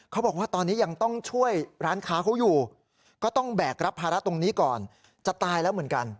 เขาบอกว่าตอนนี้ยังต้องช่วยร้านค้าเขาอยู่ก็ต้องแบกรับภาระตรงนี้ก่อนจะตายแล้วเหมือนกัน